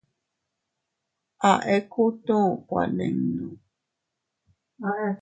A ekutu kuaninu.